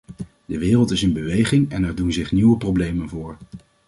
De wereld is in beweging en er doen zich nieuwe problemen voor.